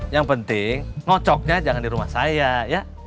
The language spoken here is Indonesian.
yang penting ngocoknya jangan di rumah saya ya